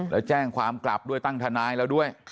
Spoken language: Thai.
แล้วแจ้งความกลับด้วยตั้งทนายแล้วด้วย